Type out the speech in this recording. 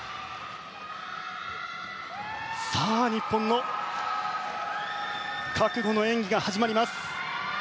さあ、日本の覚悟の演技が始まります。